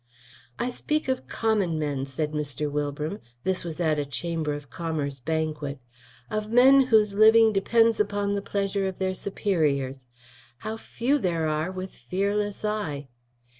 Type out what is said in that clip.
"I speak of common men," said Mr. Wilbram (this was at a Chamber of Commerce banquet); "of men whose living depends upon the pleasure of their superiors. How few there are with fearless eye!"